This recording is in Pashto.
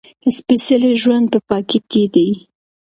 سپېڅلی ژوند په پاکۍ کې دی.